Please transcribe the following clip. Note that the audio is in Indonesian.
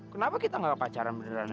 kenapa kita gak pacaran beneran aja